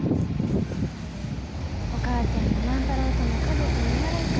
お母ちゃんや万太郎とも家族になれんかった。